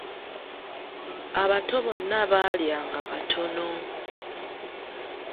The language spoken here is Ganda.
Abato bonna baalyanga katono.